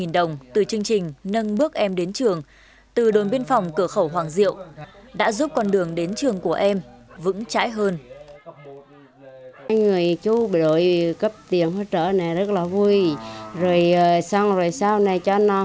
năm trăm linh đồng từ chương trình nâng bước em đến trường từ đồn biên phòng cửa khẩu hoàng diệu đã giúp con đường đến trường của em vững chãi hơn